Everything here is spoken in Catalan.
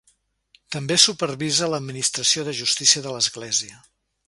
També supervisa l'administració de justícia de l'Església.